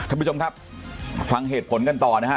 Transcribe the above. ท่านผู้ชมครับฟังเหตุผลกันต่อนะฮะ